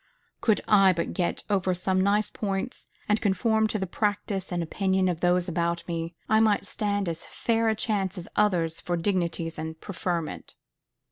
"Could I but get over some nice points, and conform to the practice and opinion of those about me, I might stand as fair a chance as others for dignities and preferment."